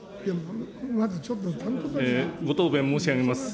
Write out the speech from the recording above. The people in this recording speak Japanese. ご答弁申し上げます。